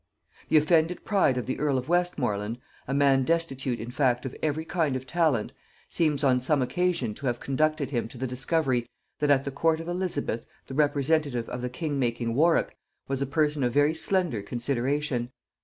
The offended pride of the earl of Westmorland, a man destitute in fact of every kind of talent, seems on some occasion to have conducted him to the discovery that at the court of Elizabeth the representative of the king making Warwick was a person of very slender consideration.